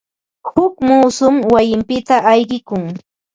Huk muusum wayinpita ayqikun.